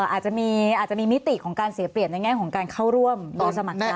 อาจจะมีมิติของการเสียเปรียบในแง่ของการเข้าร่วมโดยสมัครใจ